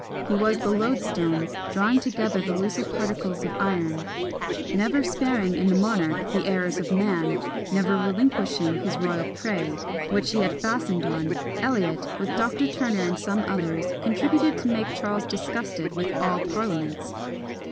He was the lodestone, drawing together the looser particles of iron. Never sparing, in the monarch, the errors of the man, never relinquishing his royal prey, which he had fastened on, Eliot, with Dr. Turner and some others, contributed to make Charles disgusted with all parliaments.